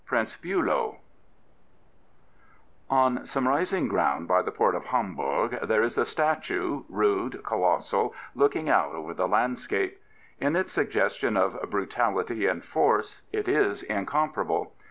PRINCE BtiLOW On some rising ground by the port of Hamburg there is a statue, rude, colossal, looking out over the landscape. In its suggestion of brutality and force it is incomparable.